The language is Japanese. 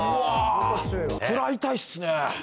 食らいたいっすね。